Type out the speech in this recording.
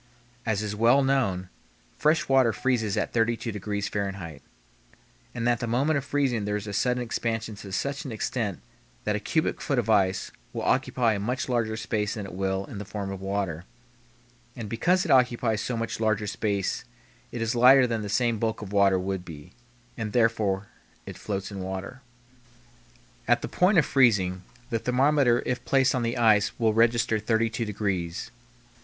As is well known, fresh water freezes at 32 degrees Fahrenheit, and at the moment of freezing there is a sudden expansion to such an extent that a cubic foot of ice will occupy a much larger space than it will in the form of water; and because it occupies so much larger space it is lighter than the same bulk of water would be, and therefore it floats in water. At the point of freezing, the thermometer if placed on the ice will register 32 degrees.